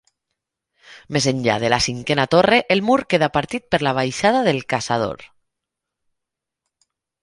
Més enllà de la cinquena torre, el mur queda partit per la baixada del Caçador.